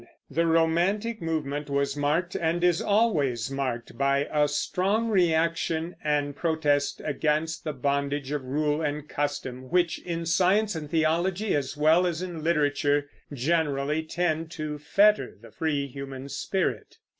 The romantic movement was marked, and is always marked, by a strong reaction and protest against the bondage of rule and custom, which, in science and theology, as well as in literature, generally tend to fetter the free human spirit.